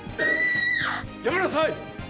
やめなさい！